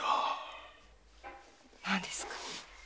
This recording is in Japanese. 何ですか？